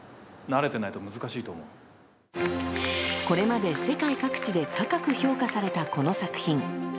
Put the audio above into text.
これまで世界各地で高く評価されたこの作品。